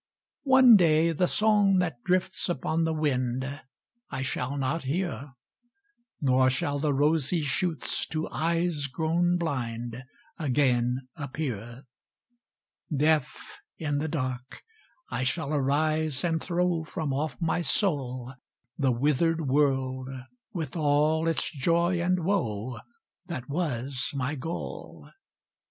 One day the song that drifts upon the wind, I shall not hear; Nor shall the rosy shoots to eyes grown blind Again appear. Deaf, in the dark, I shall arise and throw From off my soul, The withered world with all its joy and woe, That was my goal.